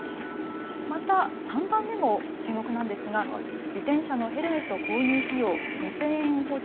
また３番目も注目なんですが、自転車のヘルメット購入費用、２０００円を補助。